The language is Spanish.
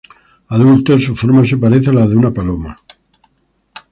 Adulto, su forma se parece a la de una paloma.